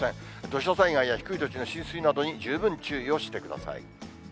土砂災害や低い土地の浸水などに十分注意をしてください。